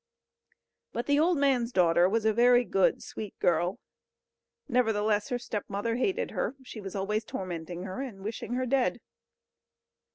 But the old man's daughter was a very good sweet girl; nevertheless her stepmother hated her; she was always tormenting her, and wishing her dead.